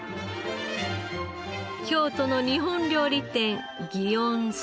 京都の日本料理店園さゝ